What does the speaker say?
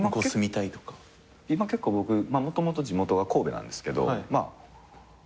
今結構僕もともと地元が神戸なんですけどほぼ半々ぐらい。